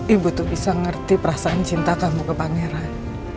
ibu tuh bisa ngerti perasaan cinta kamu ke pangeran